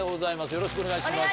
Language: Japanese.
よろしくお願いします。